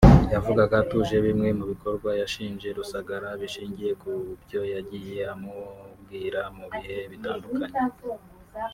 yavugaga atuje bimwe mu bikorwa yashinje Rusagara bishingiye ku byo yagiye amubwira mu bihe bitandukanye